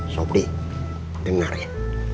sobri dengar ya